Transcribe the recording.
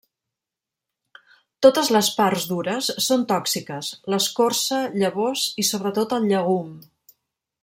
Totes les parts dures són tòxiques: l'escorça, llavors i sobretot el llegum.